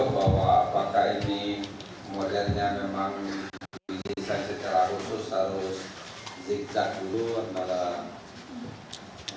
saya ingin tadi bapak mengatakan bahwa anang dijadikan tersangka berdasarkan sikap sedang terakhir